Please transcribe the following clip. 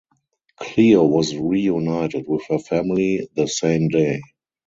Cleo was reunited with her family the same day.